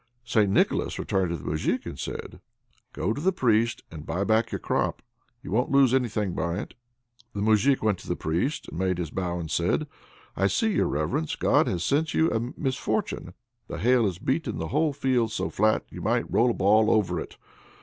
St. Nicholas returned to the Moujik, and said: "Go to the Priest and buy back your crop you won't lose anything by it." The Moujik went to the Priest, made his bow, and said: "I see, your Reverence, God has sent you a misfortune the hail has beaten the whole field so flat you might roll a ball over it.